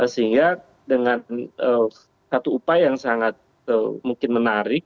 sehingga dengan satu upaya yang sangat mungkin menarik